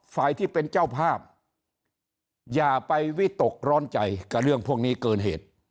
ฝ่ายที่เป็นเจ้าภาพอย่าไปวิตกร้อนใจกับเรื่องพวกนี้เกินเหตุ